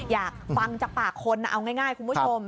อยากฟังจากปากคนเอาง่ายคุณผู้ชม